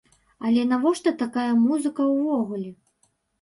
Але навошта такая музыка ўвогуле?